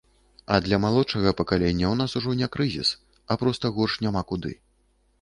А для малодшага пакалення ў нас ужо не крызіс, а проста горш няма куды.